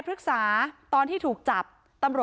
ไปโบกรถจักรยานยนต์ของชาวอายุขวบกว่าเองนะคะ